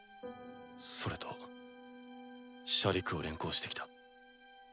それとシャディクを連行してきた。